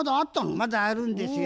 まだあるんですよ。